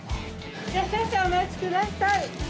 ・少々おまちください。